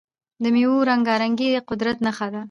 د میوو رنګارنګي د قدرت نښه ده.